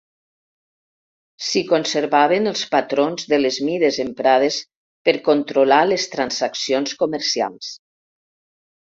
S'hi conservaven els patrons de les mides emprades per controlar les transaccions comercials.